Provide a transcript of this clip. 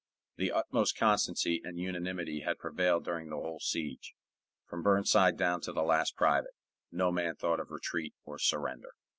The utmost constancy and unanimity had prevailed during the whole siege, from Burnside down to the last private; no man thought of retreat or surrender.